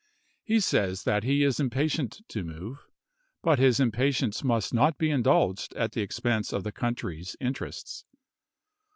He says that he is impatient to move, but his impatience must not be indulged at the expense of the country's interests.